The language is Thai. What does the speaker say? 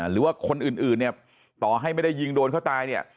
หรือว่าคนอื่นเนี่ยต่อให้ไม่ได้ยิงโดนเขาตายเนี่ย